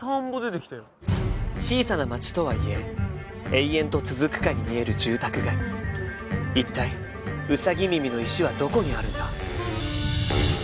小さな街とはいえ永遠と続くかにみえる住宅街一体ウサギ耳の石はどこにあるんだ？